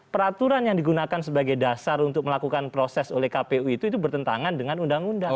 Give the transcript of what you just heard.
peraturan yang digunakan sebagai dasar untuk melakukan proses oleh kpu itu bertentangan dengan undang undang